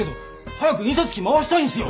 早く印刷機回したいんすよ！